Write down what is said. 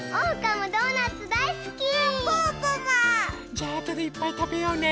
じゃあとでいっぱいたべようね。